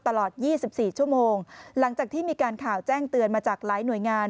ตลอด๒๔ชั่วโมงหลังจากที่มีการข่าวแจ้งเตือนมาจากหลายหน่วยงาน